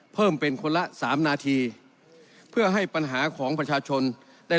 เพิ่มเป็นคนละสามนาทีเพื่อให้ปัญหาของประชาชนได้